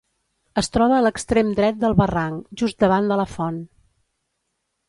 Es troba a l'extrem dret del barranc, just davant de la font.